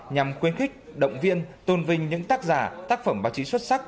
nhằm khuyến khích động viên tôn vinh những tác giả tác phẩm báo chí xuất sắc